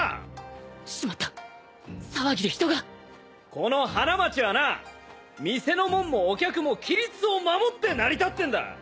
この花街はな店の者もお客も規律を守って成り立ってんだ。